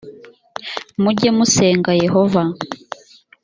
mujye musenga yehova